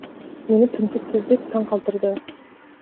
Мени принципсиздик таң калтырды.